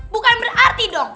bukan berarti dong